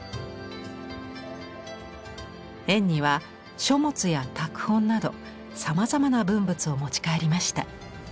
円爾は書物や拓本などさまざまな文物を持ち帰りました。